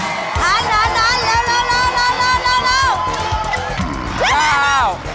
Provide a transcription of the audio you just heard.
หยุดค่ะเร็ว